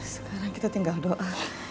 sekarang kita tinggal doa